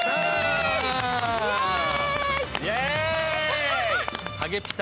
イエーイ。